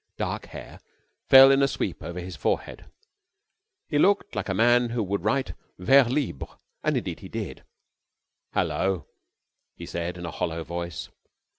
Dark hair fell in a sweep over his forehead. He looked like a man who would write vers libre, as indeed he did. "Hullo!" he said, in a hollow voice.